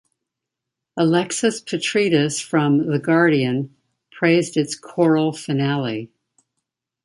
Alexis Petridis from "The Guardian" praised its choral finale.